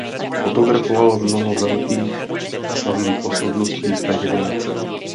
Fotografoval mnoho velkých a slavných osobností své generace.